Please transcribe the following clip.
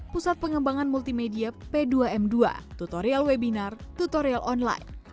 pusat pengembangan multimedia p dua m dua tutorial webinar tutorial online